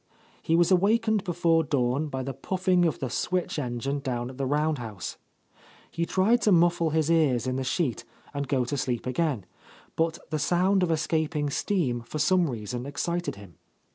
He was awakened before dawn by the puffing of the switch engine down at the round house. He tried to muffle his ears in the —S'?— A Lost Lady sheet and go to sleep again, but the sound of es caping steam for some reason excited him.